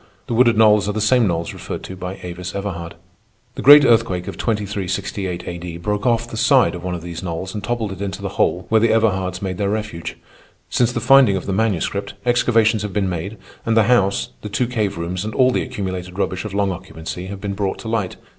The wooded knolls are the same knolls referred to by Avis Everhard. The Great Earthquake of 2368 A.D. broke off the side of one of these knolls and toppled it into the hole where the Everhards made their refuge. Since the finding of the Manuscript excavations have been made, and the house, the two cave rooms, and all the accumulated rubbish of long occupancy have been brought to light.